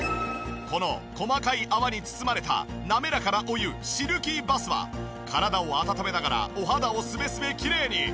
この細かい泡に包まれた滑らかなお湯シルキーバスは体を温めながらお肌をスベスベきれいに。